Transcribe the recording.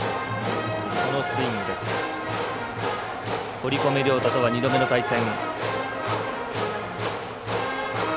堀米涼太との２度目の対戦。